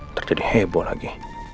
ntar jadi heboh lagi